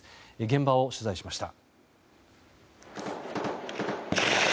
現場を取材しました。